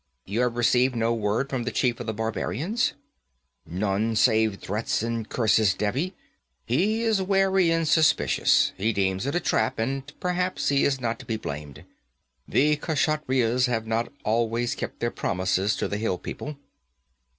'You have received no word from the chief of the barbarians?' 'None save threats and curses, Devi. He is wary and suspicious. He deems it a trap, and perhaps he is not to be blamed. The Kshatriyas have not always kept their promises to the hill people.'